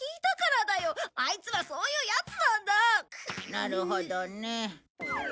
なるほどね。